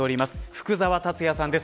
福澤達哉さんです。